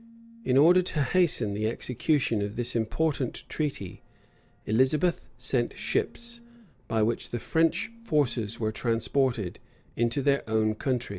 [] In order to hasten the execution of this important treaty, Elizabeth sent ships, by which the French forces were transported into their own country.